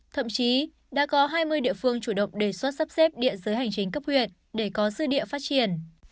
thậm chí đã có hai mươi địa phương chủ động đề xuất sắp xếp địa giới hành chính cấp huyện để có dư địa phát triển